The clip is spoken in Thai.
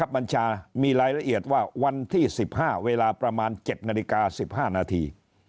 บัญชามีรายละเอียดว่าวันที่๑๕เวลาประมาณ๗นาฬิกา๑๕นาที